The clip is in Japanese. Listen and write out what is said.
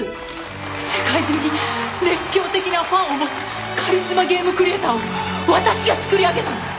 世界中に熱狂的なファンを持つカリスマゲームクリエイターを私が作り上げたの！